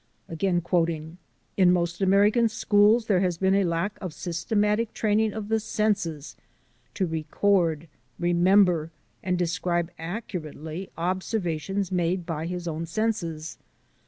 "In most American schools there has been a lack of systematic training of the senses ... to record, remember, and describe accurately ob servations made by his own senses.